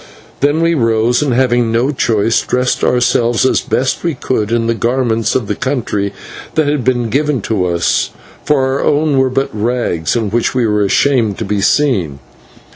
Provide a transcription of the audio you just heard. Then we rose, and, having no choice, dressed ourselves as best we could in the garments of the country that had been given to us, for our own were but rags, in which we were ashamed to be seen.